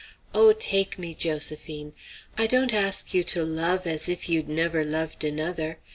Oh, take me, Josephine! I don't ask you to love as if you'd never loved another.